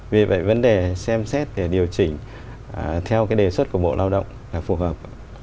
vì vậy vấn đề xem xét để điều chỉnh theo đề xuất của bộ lao động là phù hợp